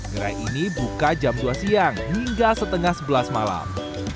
gerai ini buka jam dua siang hingga setengah sebelas malam